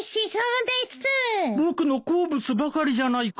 僕の好物ばかりじゃないか。